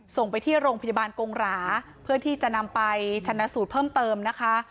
ส่งไปที่โรงพยาบาลกงหราเพื่อที่จะนำไปชนะสูตรเพิ่มเติมนะคะ